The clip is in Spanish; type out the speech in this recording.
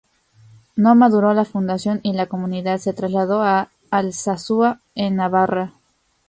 No maduró la fundación y la comunidad se trasladó a Alsasua, en Navarra.